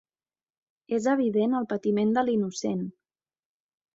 És evident el patiment de l'innocent.